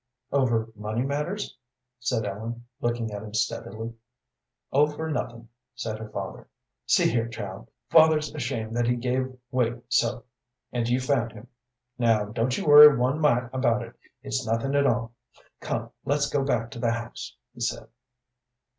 "Over money matters?" said Ellen, looking at him steadily. "Over nothin'," said her father. "See here, child, father's ashamed that he gave way so, and you found him. Now don't you worry one mite about it it's nothing at all. Come, let's go back to the house," he said.